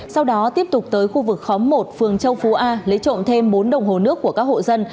sau đó tiếp tục tới khu vực khóm một phường châu phú a lấy trộm thêm bốn đồng hồ nước của các hộ dân